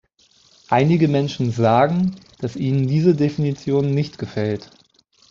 Einige Menschen sagen, dass ihnen diese Definition nicht gefällt.